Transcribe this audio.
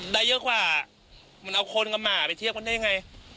ได้เยอะกว่ามันเอาคนกับหมาไปเทียบกันได้ยังไง